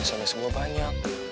sama sama gue banyak